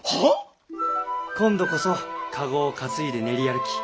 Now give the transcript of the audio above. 今度こそ駕籠を担いで練り歩き